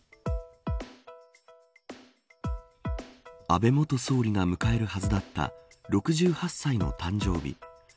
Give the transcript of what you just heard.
安倍元総理が迎えるはずだった６８歳の誕生日。